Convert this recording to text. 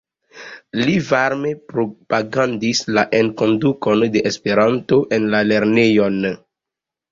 Li varme propagandis la enkondukon de Esperanto en la lernejon.